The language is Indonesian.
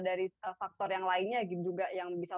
dari faktor yang lainnya juga yang bisa